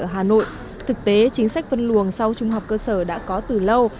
hà nội thực tế chính sách vân luồng sau trung học cơ sở đã có từ lâu